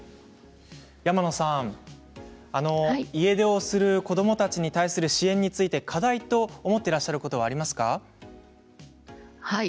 山野さん、家出をする子どもたちに対する支援について課題と思っていらっしゃることありますか？